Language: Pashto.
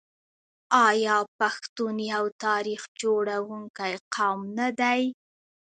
آیا پښتون یو تاریخ جوړونکی قوم نه دی؟